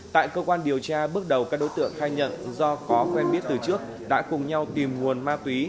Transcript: tại cơ quan điều tra bước đầu các đối tượng khai nhận do có quen biết từ trước đã cùng nhau tìm nguồn ma túy